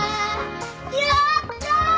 やったー！